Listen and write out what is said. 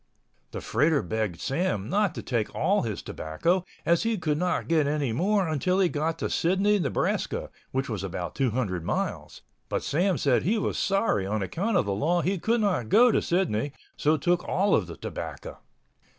The freighter begged Sam to not take all his tobacco, as he could not get any more until he got to Sidney, Nebraska, which was about 200 miles, but Sam said he was sorry on account of the law he could not go to Sidney, so took all of the tobacco.